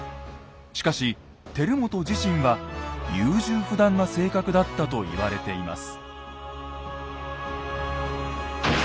しかし輝元自身は優柔不断な性格だったと言われています。